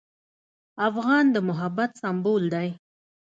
افغان د محبت سمبول دی.